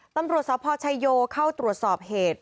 ตำรวจสพชัยโยเข้าตรวจสอบเหตุ